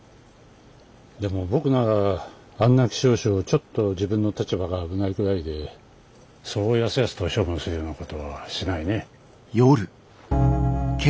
でも僕ならあんな希少種をちょっと自分の立場が危ないくらいでそうやすやすと処分するようなことはしないね。